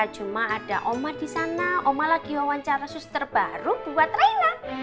cuma ada oma di sana oma lagi wawancara suster baru buat raila